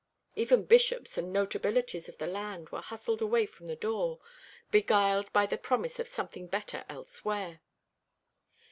Even bishops and notabilities of the land were hustled away from the door, beguiled by the promise of something better elsewhere.